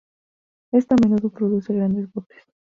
Esto a menudo produce grandes botes.